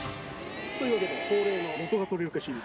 というわけで、恒例の元が取れるかシリーズ。